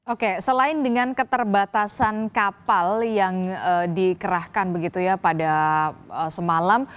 oke selain dengan keterbatasan kapal yang dikerahkan begitu ya pada semalam